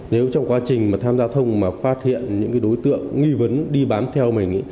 nếu trong quá trình mà tham gia thông mà phát hiện những đối tượng nghi vấn đi bám theo mình